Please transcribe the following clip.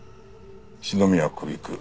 篠宮小菊。